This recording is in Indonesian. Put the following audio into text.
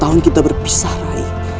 lima tahun kita berpisah raih